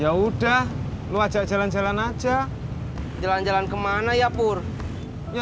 ya udah lu ajak jalan jalan aja jalan jalan ke mana ya pur ya